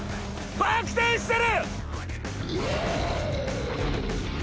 バック転してる！